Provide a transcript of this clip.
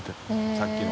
さっきの。